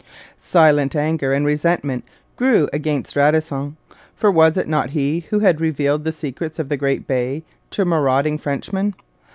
Silent anger and resentment grew against Radisson; for was it not he who had revealed the secrets of the great Bay to marauding Frenchmen?